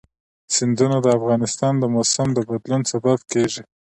سیندونه د افغانستان د موسم د بدلون سبب کېږي.